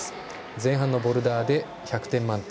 前半のボルダーで１００点満点。